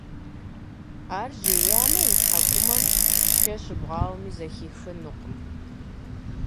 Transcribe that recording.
Ар жеямэ, и тхьэкӏумэм шэ щыбгъауэми зэхихынукъым.